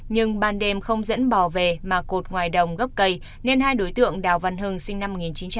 nhưng ban đêm không dẫn bỏ về mà cột ngoài đồng gốc cây nên hai đối tượng đào văn hưng sinh năm một nghìn chín trăm tám mươi